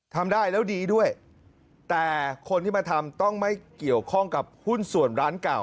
ทำได้แล้วดีด้วยแต่คนที่มาทำต้องไม่เกี่ยวข้องกับหุ้นส่วนร้านเก่า